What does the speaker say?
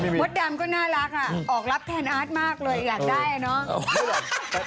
มดดำก็น่ารักอ่ะออกรับแทนอาร์ตมากเลยอยากได้อ่ะเนาะ